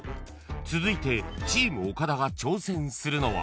［続いてチーム岡田が挑戦するのは］